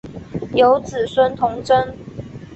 有子孙同珍。